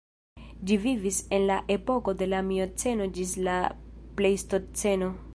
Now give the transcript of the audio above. Ĝi vivis en la epoko de la Mioceno ĝis la Plejstoceno.